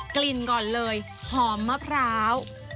กลิ่นก่อนเลยหอมมะพร้าว